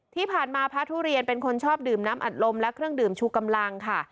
พระทุเรียนเป็นคนชอบดื่มน้ำอัดลมและเครื่องดื่มชูกำลังค่ะ